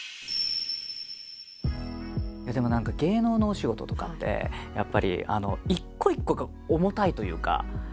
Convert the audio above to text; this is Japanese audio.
でも何か芸能のお仕事とかってやっぱり一個一個が重たいというか。